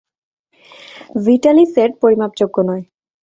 Vitaly set পরিমাপযোগ্য নয়।